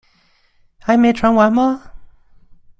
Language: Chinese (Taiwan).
還沒傳完嗎？